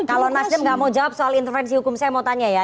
kalau nasdem nggak mau jawab soal intervensi hukum saya mau tanya ya